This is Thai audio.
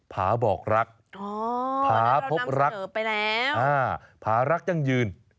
ผาบอกรักผาพบรักผารักยั่งยืน